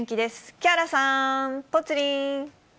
木原さん、ぽつリン。